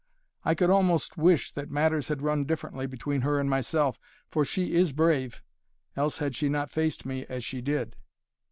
I could almost wish that matters had run differently between her and myself, for she is brave, else had she not faced me as she did."